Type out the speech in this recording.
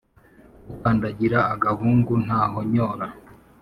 Ukandagira agahungu ntahonyora.